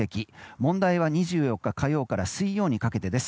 問題は２４日火曜から水曜にかけてです。